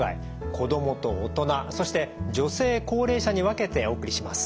子どもと大人そして女性高齢者に分けてお送りします。